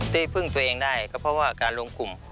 ที่พึ่งตัวเองได้ก็เพราะว่าการรวมกลุ่ม